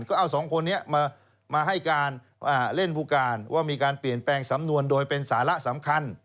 ก็เอาสองคนนี้มาให้การเล่นผู้การว่ามีการเปลี่ยนแปลงสำนวนโดยเป็นสาระสำคัญ